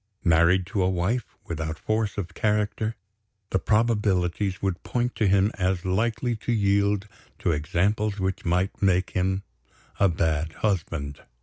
Married to a wife without force of character, the probabilities would point to him as likely to yield to examples which might make him a bad husband.